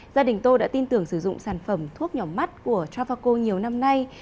gia đình tôi đã tin tưởng sử dụng sản phẩm thuốc nhỏ mắt của trafaco nhiều năm nay